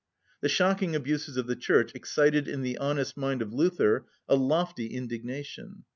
The shocking abuses of the Church excited in the honest mind of Luther a lofty indignation.